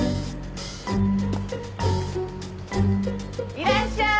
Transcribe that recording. いらっしゃーい！